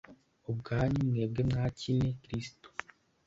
ubwanyu mwebwe mwakine Kiristo